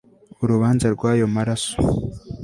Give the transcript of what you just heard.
urubanza rw ayo maraso